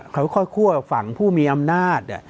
เขาค่อยคั่วฝั่งผู้มีอำนาจ